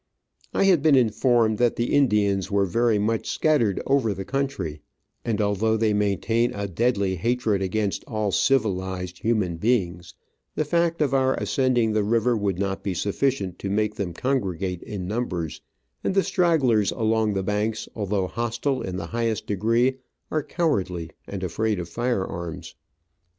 I had been informed that the Indians were very much scattered over the country, and although they maintain a deadly hatred against all civilised human beings, the fact of our ascending the river would not be sufficient to make them con gregate in numbers, and the stragglers along the banks, although hostile in the highest degree, are cowardly and afraid of fire arms.